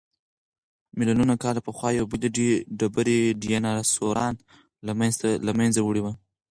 ملیونونه کاله پخوا یوې بلې ډبرې ډیناسوران له منځه وړي وو.